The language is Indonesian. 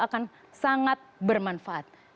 akan sangat bermanfaat